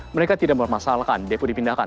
mereka tidak memasalkan depo dipindahkan